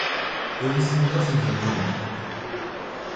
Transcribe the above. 여기 있습니다, 선생님